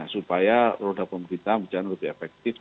supaya roda pemerintahan menjadi lebih efektif